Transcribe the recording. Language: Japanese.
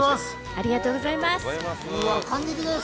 ありがとうございます。